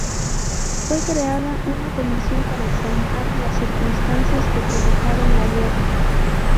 Fue creada una comisión para examinar las circunstancias que provocaron la guerra.